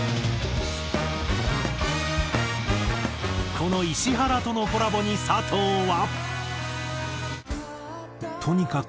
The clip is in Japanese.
この石原とのコラボに佐藤は。